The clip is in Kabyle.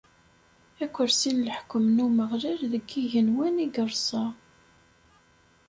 Akersi n leḥkwem n Umeɣlal deg igenwan i yerṣa.